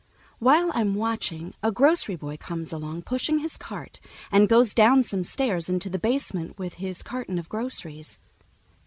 While I'm watching, a grocery boy comes along pushing his cart and goes down some stairs into the basement with his carton of groceries.